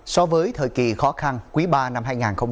so với thời kỳ khó khăn quý ba năm hai nghìn hai mươi ba